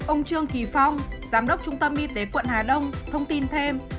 ông trương kỳ phong giám đốc trung tâm y tế quận hà đông thông tin thêm